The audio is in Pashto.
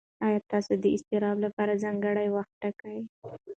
ایا تاسو د اضطراب لپاره ځانګړی وخت ټاکئ؟